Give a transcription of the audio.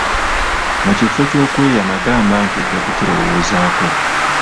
Mu kifo ky'okweyama gamba nti ojja kukirowoozako.